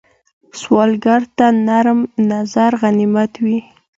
سوالګر ته نرم نظر غنیمت وي